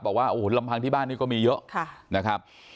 บอกว่าโอ้โหลำพังที่บ้านนี้ก็มีเยอะนะครับ